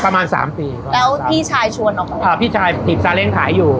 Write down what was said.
ประมาณสามปีแล้วพี่ชายชวนออกมาอ่าพี่ชายถีบซาเล้งขายอยู่